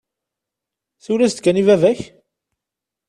Siwel-as-d kan i baba-k.